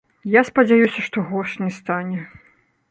Я спадзяюся, што горш не стане.